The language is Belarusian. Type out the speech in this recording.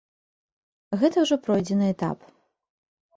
Гэта ўжо пройдзены этап.